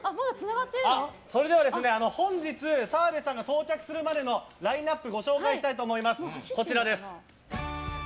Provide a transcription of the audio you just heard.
それでは本日澤部さんが到着するまでのラインアップをご紹介します。